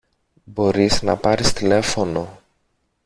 μπορείς να πάρεις τηλέφωνο